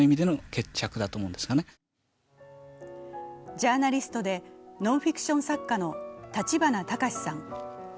ジャーナリストでノンフィクション作家の立花隆さん。